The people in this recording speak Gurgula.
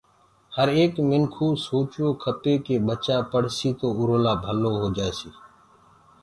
هر ايڪ منکِو سوچوو کپي ڪي ٻچآ پڙهسي تو اُرو لآ ڀلو هو جآسي